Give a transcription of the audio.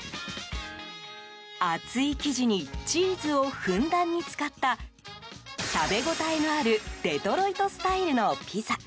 厚い生地にチーズをふんだんに使った食べ応えのあるデトロイトスタイルのピザ。